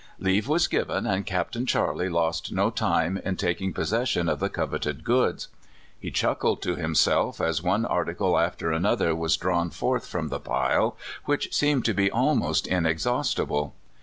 Leave was given, and Capt. Charley lost no time in taking possession of the coveted goods. He chuckled to himself as one article after another was drawn forth from the pile, which seemed to be almost inexhaustible.